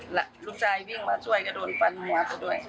ลูกชายวิ่งมาช่วยก็โดนฟันหัวเขาด้วย